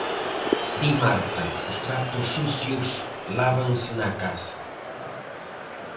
Di Marta: "Os trapos sucios lávanse na casa".